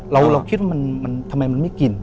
เราคิดว่ามันทำไมมันไม่กิน